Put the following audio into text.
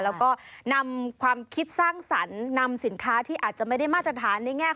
แล้วก็นำความคิดสร้างสรรค์นำสินค้าที่อาจจะไม่ได้มาตรฐานในแง่